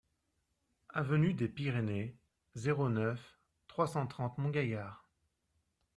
Avenue des Pyrénées, zéro neuf, trois cent trente Montgaillard